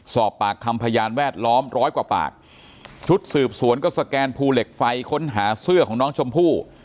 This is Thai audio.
สอบปากคำพยานแวดล้อมร้อยกว่าปากชุดสืบสวนก็สแกนภูเหล็กไฟค้นหาเสื้อของน้องชมพู่